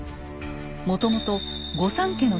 もともと御三家の一つ